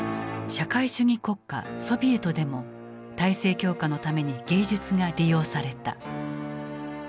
社会主義国家ソビエトでも体制強化のために芸術が利用された。